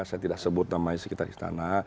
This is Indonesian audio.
saya tidak sebut namanya sekitar istana